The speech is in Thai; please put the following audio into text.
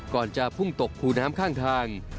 ก่อนจะพุ่งตกคูน้ำข้างทาง